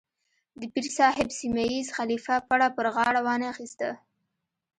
د پیر صاحب سیمه ییز خلیفه پړه پر غاړه وانه اخیسته.